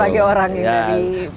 sebagai orang yang lebih politik